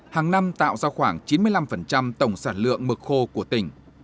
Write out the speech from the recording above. hàng năm tạo ra khoảng chín mươi năm tổng sản lượng mực khô của tỉnh